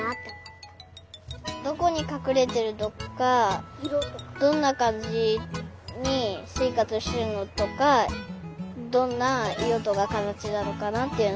どこにかくれてるとかどんなかんじにせいかつしてるのとかどんないろとかかたちなのかなっていうのがよくわかりました。